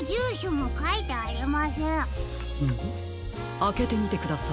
あけてみてください。